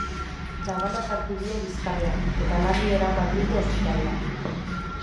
Labana sartu dio bizkarrean, eta larri eraman dute ospitalera.